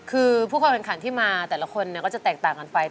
คือผู้เข้าแข่งขันที่มาแต่ละคนก็จะแตกต่างกันไป